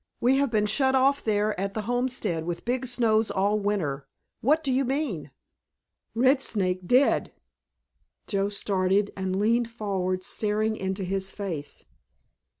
We have been shut off there at the homestead with big snows all winter. What do you mean?" "Red Snake dead." Joe started, and leaned forward staring into his face.